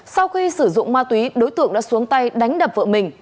sau khi sử dụng ma túy đối tượng đã xuống tay đánh đập vợ mình